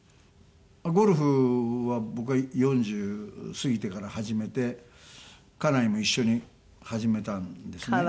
ゴルフは僕は４０過ぎてから始めて家内も一緒に始めたんですね。